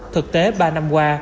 thực tế ba năm qua